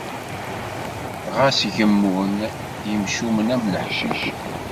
Ɣas gemmun yimcumen am leḥcic.